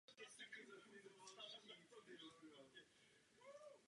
Básně jsou také méně lyrické.